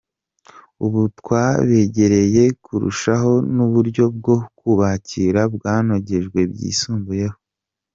Ubu twabegereye kurushaho n’uburyo bwo kubakira bwanogejwe byisumbuyeho.